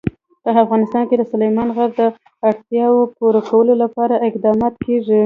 په افغانستان کې د سلیمان غر د اړتیاوو پوره کولو لپاره اقدامات کېږي.